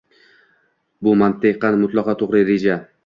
Bu mantiqan mutlaqo to‘g‘ri reja.